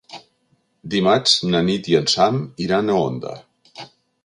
Dimarts na Nit i en Sam iran a Onda.